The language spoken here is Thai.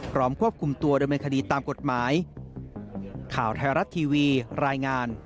พร้อมควบคุมตัวด้วยในคดีตามกฎหมาย